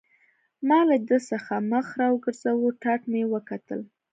ما له ده څخه مخ را وګرځاوه، ټاټ مې وکتل.